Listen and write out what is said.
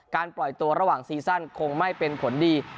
ปล่อยตัวระหว่างซีซั่นคงไม่เป็นผลดี